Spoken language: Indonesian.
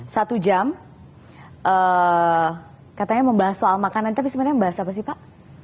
satu jam katanya membahas soal makanan tapi sebenarnya membahas apa sih pak